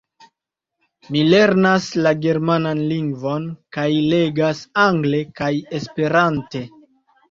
Mi lernas la germanan lingvon kaj legas angle kaj esperante.